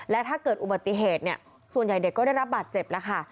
และถ้าเกิดอุบัติเหตุเนี่ยส่วนใหญ่เด็กก็ได้รับบาดเจ็บแล้วค่ะ